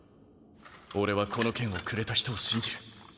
俺はこの剣をくれた人を信じる。